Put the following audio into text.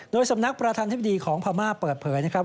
โดยสำนักประธานธิบดีของพม่าเปิดเผยนะครับ